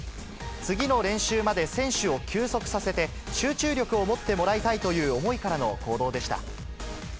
次の練習まで選手を休息させて、集中力を持ってもらいたいという思いからの行動でした。